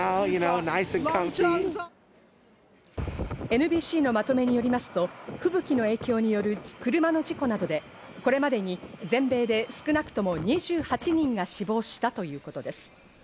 ＮＢＣのまとめによりますと、吹雪の影響による車の事故などでこれまでに全米で少なくとも２８人が死亡したということです。